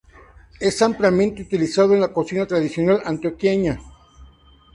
Es ampliamente utilizado en la cocina tradicional antioqueña.